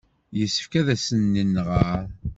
Yessefk ad asen-nɣer.